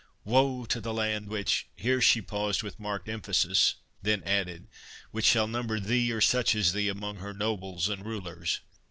—Woe to the land which"—Here she paused with marked emphasis, then added—"which shall number thee, or such as thee, among her nobles and rulers!"